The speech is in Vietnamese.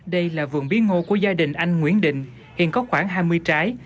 đây là vườn bí ngô của gia đình anh nguyễn định hiện có khoảng hai mươi trái